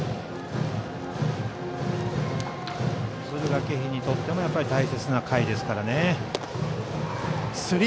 敦賀気比にとっても大切な回ですからね。